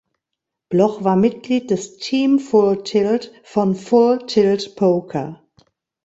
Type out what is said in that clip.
Bloch war Mitglied des „Team Full Tilt“ von Full Tilt Poker.